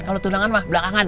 kalau tunangan mbak belakangan